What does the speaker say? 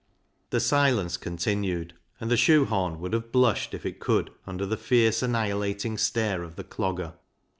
5 66 BECKSIDE LIGHTS The silence continued, and the shoe horn would have blushed if it could under the fierce, annihilating stare of the Clogger.